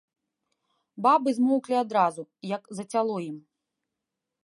Бабы змоўклі адразу, як зацяло ім.